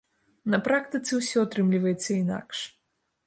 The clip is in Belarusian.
На практыцы ўсё атрымліваецца інакш.